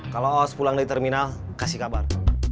kalau aos pulang dari terminal kasih kabar